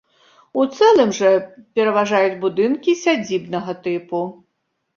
У цэлым жа пераважаюць будынкі сядзібнага тыпу.